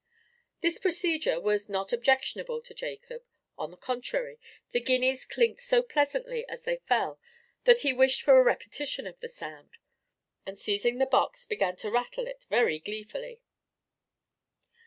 This procedure was not objectionable to Jacob; on the contrary, the guineas clinked so pleasantly as they fell, that he wished for a repetition of the sound, and seizing the box, began to rattle it very gleefully.